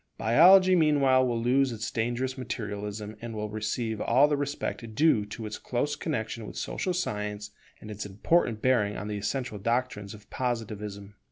Biology meanwhile will lose its dangerous materialism, and will receive all the respect due to its close connexion with social science and its important bearing on the essential doctrines of Positivism.